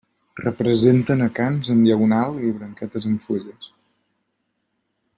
Representen acants en diagonal i branquetes amb fulles.